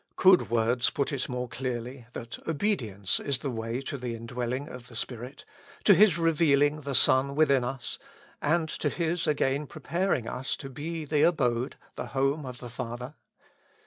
Could words put it more clearly that obedience is the way to the indwelling of the Spirit, to His revealing the Son within us, and to His again preparing us to be the abode, the home of the Father?